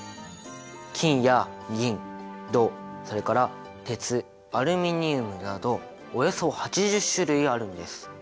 金や銀銅それから鉄アルミニウムなどおよそ８０種類あるんです。